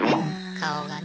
顔がね。